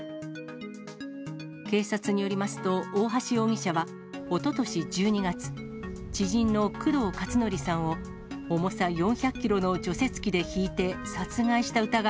警察によりますと、大橋容疑者はおととし１２月、知人の工藤勝則さんを、重さ４００キロの除雪機でひいて、本当にびっくりしたね。